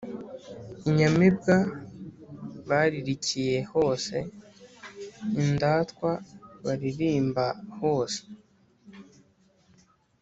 inyamibwa baririkiye hose: indatwa baririmba hose